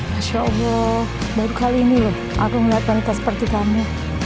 masya allah baru kali ini loh aku ngeliat mereka seperti kamu